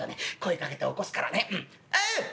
かけて起こすからねうん。